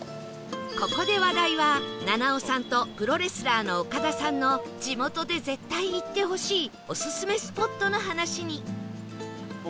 ここで話題は菜々緒さんとプロレスラーのオカダさんの地元で絶対行ってほしいオススメスポットの話に